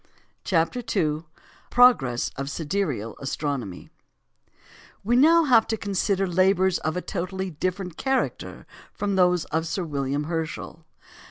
] CHAPTER II PROGRESS OF SIDEREAL ASTRONOMY We have now to consider labours of a totally different character from those of Sir William Herschel.